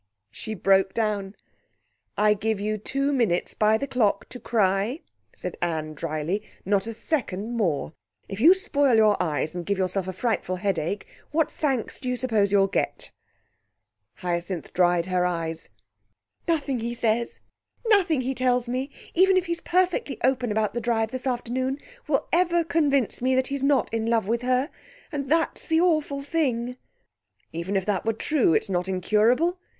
She broke down. "I give you two minutes by the clock to cry," said Anne dryly, "not a second more. If you spoil your eyes and give yourself a frightful headache, what thanks do you suppose you'll get?" Hyacinth dried her eyes. "Nothing he says, nothing he tells me, even if he's perfectly open about the drive this afternoon, will ever convince me that he's not in love with her, and that's the awful thing." "Even if that were true, it's not incurable.